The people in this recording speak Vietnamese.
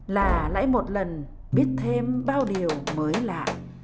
là lãi một lần biết thêm bao điều mới lạ